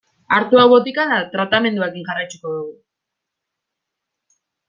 Hartu hau botikan eta tratamenduarekin jarraituko dugu.